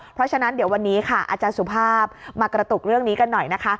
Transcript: เพราะฉะนั้นเดี๋ยววันนี้ค่ะอาจารย์สุภาพมากระตุกเรื่องนี้กันหน่อยนะคะ